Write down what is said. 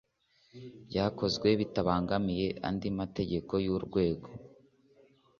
byakozwe bitabangamiye andi mategeko y’urwego